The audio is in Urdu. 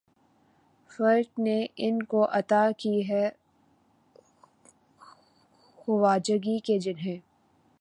فلک نے ان کو عطا کی ہے خواجگی کہ جنھیں